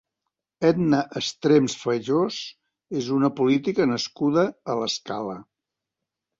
Etna Estrems Fayos és una política nascuda a l'Escala.